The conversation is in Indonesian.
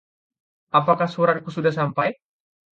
apakah suratku sudah sampai?